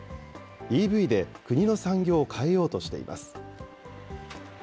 ＥＶで国の産業を変えようとしています。